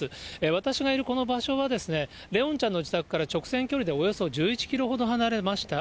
私がいるこの場所は、怜音ちゃんの自宅から直線距離でおよそ１１キロほど離れました